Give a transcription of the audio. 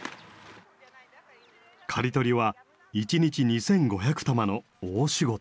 刈り取りは一日２，５００玉の大仕事。